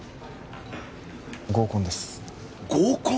合コンです合コン！？